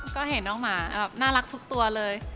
ก็เห็นน้องหมาน่ารักทุกตัวเลย